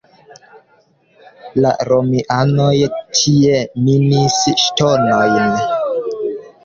La romianoj tie minis ŝtonojn.